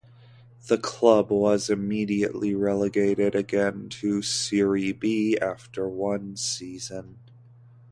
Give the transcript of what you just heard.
The club was immediately relegated again to Serie B after one season.